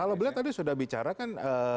kalau beliau tadi sudah bicara kan